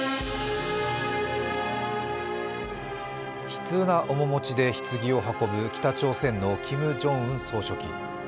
悲痛な面持ちでひつぎを運ぶ北朝鮮のキム・ジョンウン総書記。